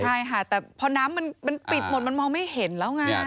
ใช่ค่ะแต่พอน้ำมันปิดหมดมันมองไม่เห็นแล้วไง